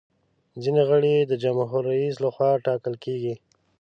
ځینې غړي یې د جمهور رئیس لخوا ټاکل کیږي.